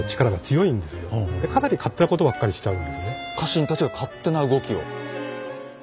家臣たちが勝手な動きを。